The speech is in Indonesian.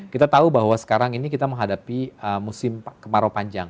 kita tahu bahwa sekarang ini kita menghadapi musim kemarau panjang